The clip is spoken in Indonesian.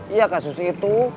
iya kasus itu